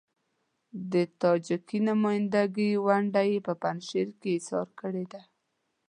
د تاجکي نمايندګۍ ونډه يې په پنجشیر کې اېسار کړې ده.